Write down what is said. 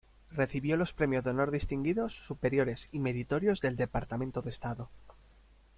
Recibió los premios de Honor Distinguidos, Superiores y Meritorios del Departamento de Estado.